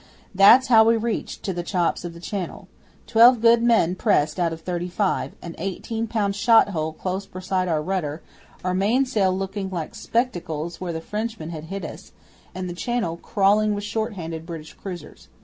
That's how we reached to the chops of the Channel. Twelve good men pressed out of thirty five; an eighteen pound shot hole close beside our rudder; our mainsail looking like spectacles where the Frenchman had hit us and the Channel crawling with short handed British cruisers.